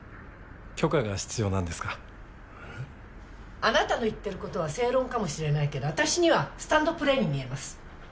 あなたの言っている事は正論かもしれないけど私にはスタンドプレーに見えます。